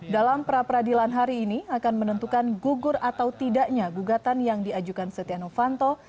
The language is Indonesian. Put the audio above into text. dalam pra peradilan hari ini akan menentukan gugur atau tidaknya gugatan yang diajukan setia novanto